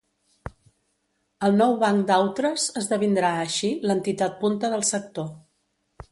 El nou Banc d'Autres esdevindrà, així, l'entitat punta del sector.